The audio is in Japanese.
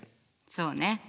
そうね。